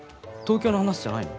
東京の話じゃないの？